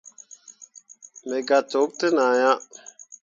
Megah tokki ten ah ya.